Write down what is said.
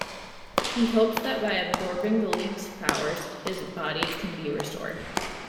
He hopes that by absorbing the League's powers, his body can be restored.